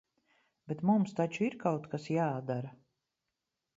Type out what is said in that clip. Bet mums taču ir kaut kas jādara!